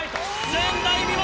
前代未聞！